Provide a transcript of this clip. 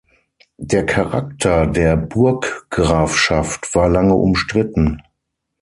Der Charakter der Burggrafschaft war lange umstritten.